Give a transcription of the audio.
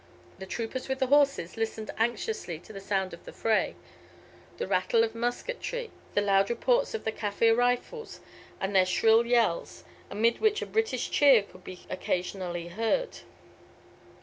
The troopers with the horses listened anxiously to the sound of the fray the rattle of musketry, the loud reports of the Kaffir rifles, and their shrill yells, amid which a British cheer could be occasionally heard.